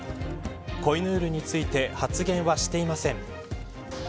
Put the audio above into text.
コイヌールについて発言はしていません。